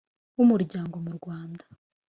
w umuryango mu Rwanda